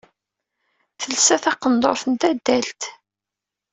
Telsa taqendurt d tadalt.